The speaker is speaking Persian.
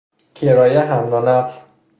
کرایه حمل و نقل